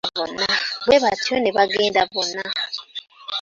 Bwe batyo ne bagenda bonna.